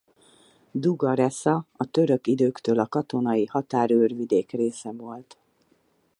Duga Resa a török időktől a katonai határőrvidék része volt.